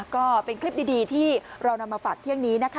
ก็เป็นคลิปดีที่เรานำมาฝากเที่ยงนี้นะคะ